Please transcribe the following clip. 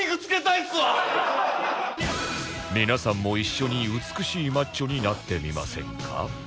皆さんも一緒に美しいマッチョになってみませんか？